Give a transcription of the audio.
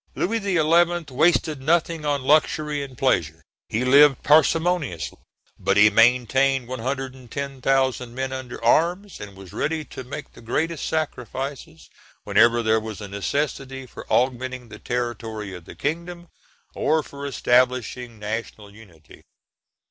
Louis XI. wasted nothing on luxury and pleasure; he lived parsimoniously, but he maintained 110,000 men under arms, and was ready to make the greatest sacrifices whenever there was a necessity for augmenting the territory of the kingdom, or for establishing national unity.